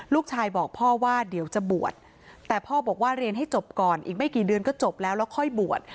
ลูกชายบอกพ่อว่าเดี๋ยวจะบวชแต่พ่อบอกว่าเรียนให้จบก่อนอีกไม่กี่เดือนก็จบแล้วแล้วค่อยบวช